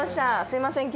すいません